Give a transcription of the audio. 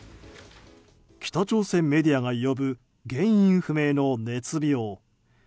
北朝鮮メディアが呼ぶ原因不明の熱病。